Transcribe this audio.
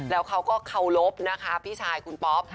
แล้วเขาก็เคารพนะคะพี่ชายคุณป๊อป